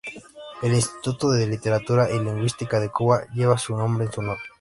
El Instituto de Literatura y Lingüística de Cuba lleva su nombre en su honor.